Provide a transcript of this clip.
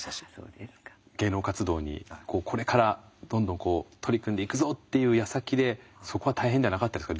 芸能活動にこれからどんどんこう取り組んでいくぞっていうやさきでそこは大変ではなかったですか？